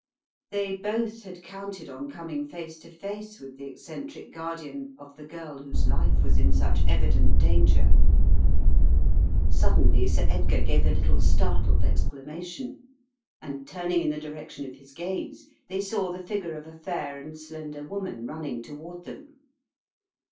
They both had counted on coming face to face with the eccentric guardian of the girl whose life was in such evident danger. Suddenly Sir Edgar gave a little startled exclamation and turning in the direction of his gaze they saw the figure of a fair and slender woman run ning toward them.